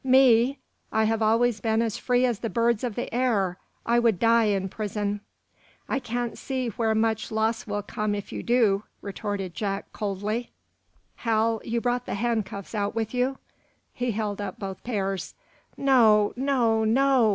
Me! I have always been as free as the birds of the air. I would die in prison." "I can't see where much loss will come in if you do," retorted Jack, coldly. "Hal, you brought the handcuffs out with you?" He held up both pairs. "No, no, no!"